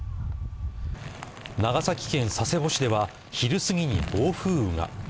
長崎県佐世保市では昼過ぎに暴風雨が。